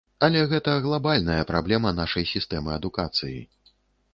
Але гэта глабальная праблема нашай сістэмы адукацыі.